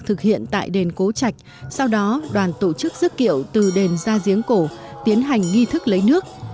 thực hiện tại đền cố trạch sau đó đoàn tổ chức rước kiệu từ đền ra giếng cổ tiến hành nghi thức lấy nước